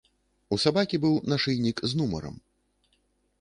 У сабакі быў нашыйнік з нумарам.